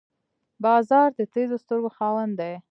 باز د تېزو سترګو خاوند دی